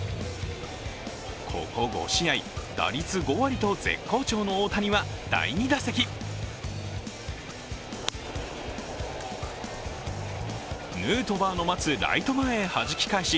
ここ５試合、打率５割と絶好調の大谷は、第２打席ヌートバーの待つライト前へはじき返し